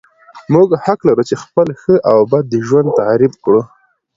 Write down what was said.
موږ حق لرو چې خپل ښه او بد ژوند تعریف کړو.